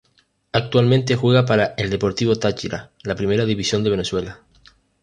Actualmente juega para el Deportivo Táchira la Primera División de Venezuela.